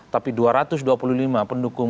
tapi dua ratus dua puluh lima pendukung